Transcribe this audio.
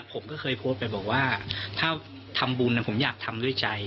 ผมก็เคยโพสต์ไปบอกว่าถ้าทำบุญผมอยากทำด้วยใจ